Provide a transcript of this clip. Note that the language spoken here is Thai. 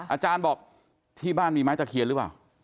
อาจารย์บอกที่บ้านมีไม้ตะเคียนหรือเปล่า